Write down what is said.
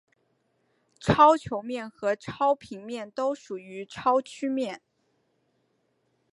超球面和超平面都属于超曲面。